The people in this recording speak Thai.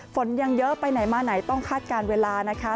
ฝนยังเยอะไปไหนมาไหนต้องคาดการณ์เวลานะคะ